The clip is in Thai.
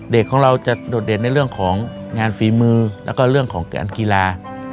ของเราจะโดดเด่นในเรื่องของงานฝีมือแล้วก็เรื่องของการกีฬา